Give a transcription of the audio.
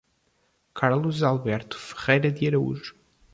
Carlos Alberto Ferreira de Araújo